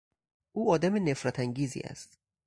او آدم نفرت انگیزی است.